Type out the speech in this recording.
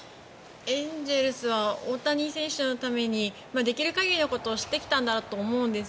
エンゼルスは大谷選手のためにできる限りのことをしてきたんだろうと思うんです。